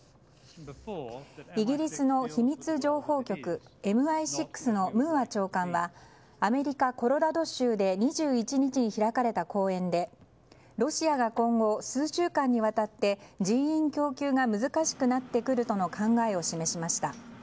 イギリスの秘密情報局ＭＩ６のムーア長官はアメリカ・コロラド州で２１日に開かれた講演でロシアが今後数週間にわたって人員供給が難しくなってくるとの考えを示しました。